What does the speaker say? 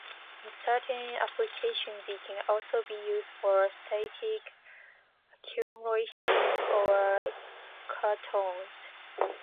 In certain applications they can also be used for static accumulation or cartons.